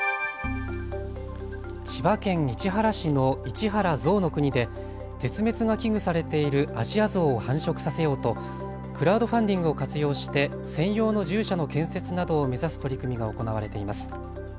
千葉県市原市の市原ぞうの国で絶滅が危惧されているアジアゾウを繁殖させようとクラウドファンディングを活用して専用の獣舎の建設などを目指す取り組みが行われています。